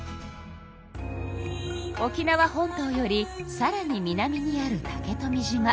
沖縄本島よりさらに南にある竹富島。